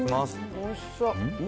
おいしそう。